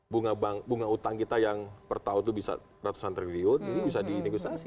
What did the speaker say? jadi bunga utang kita yang per tahun itu bisa ratusan triliun ini bisa di negosiasi